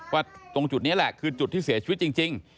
ตรงจุดนี้แหละคือจุดที่เสียชีวิตจริง